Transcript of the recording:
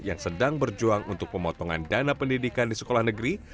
yang sedang berjuang untuk pemotongan dana pendidikan di sekolah negeri